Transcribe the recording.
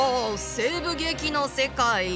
西部劇の世界！